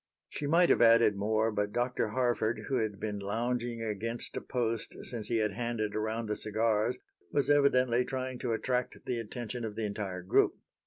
She might have added more, but Dr. Harford, who had been lounging against a post since he had handed around the cigars, was evidently trying to attract the attention of the entire group.